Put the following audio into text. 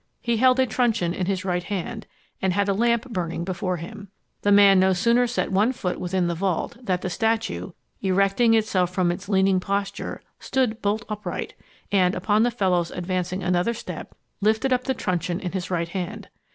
He held a truncheon in his right hand, and had a lamp burning before him. The man had no sooner set one foot within the vault, than the statue, erecting itself from its leaning posture, stood bolt upright; and, upon the fellow's advancing another step, lifted up the truncheon in his right hand.